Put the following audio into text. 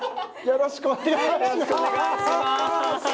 よろしくお願いします。